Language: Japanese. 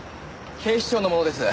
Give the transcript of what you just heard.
警視庁の者です。